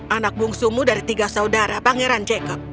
anak bungsumu dari tiga saudara pangeran jacob